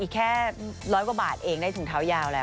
แค่ร้อยกว่าบาทเองได้ถุงเท้ายาวแล้ว